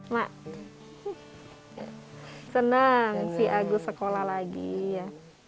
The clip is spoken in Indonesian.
mak senang si agus sekolah lagi ya